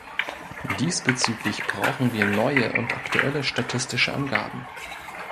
Diesbezüglich brauchen wir neue und aktuelle statistische Angaben.